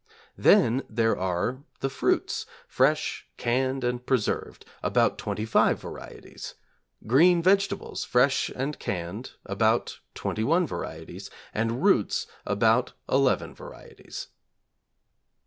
Then there are the fruits, fresh, canned, and preserved, about twenty five varieties; green vegetables, fresh and canned, about twenty one varieties; and roots, about eleven varieties.